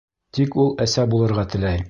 Тик ул Әсә булырға теләй.